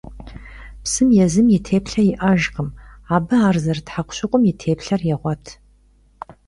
Psım yêzım yi têplhe yi'ejjkhım, abı ar zerıt hekhuşıkhum yi têplher yêğuet.